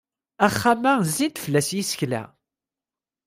Axxam-a zzin-d fell-as yisekla.